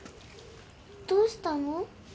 どうしたの？